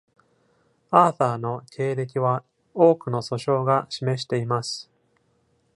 Arthur の経歴は多くの訴訟が示しています。